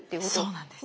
そうなんです。